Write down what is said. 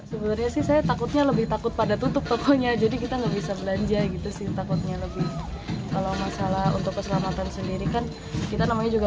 sebenarnya saya takutnya lebih takut pada tutup tokonya jadi kita tidak bisa belanja